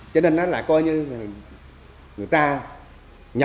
cho nên là coi như